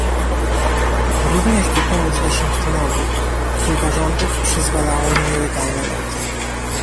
Również by pomóc Waszyngtonowi, kilka rządów przyzwalało na nielegalne loty